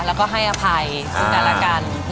แล้วก็ให้อภัยทุกนั้นละกัน